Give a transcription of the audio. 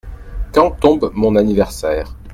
Quand tombe mon anniversaire ?